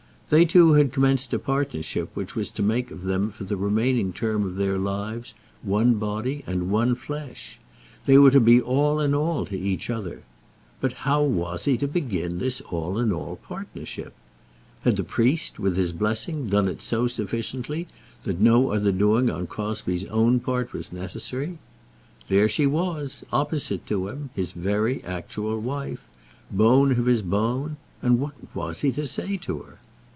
They two had commenced a partnership which was to make of them for the remaining term of their lives one body and one flesh. They were to be all in all to each other. But how was he to begin this all in all partnership? Had the priest, with his blessing, done it so sufficiently that no other doing on Crosbie's own part was necessary? There she was, opposite to him, his very actual wife, bone of his bone; and what was he to say to her?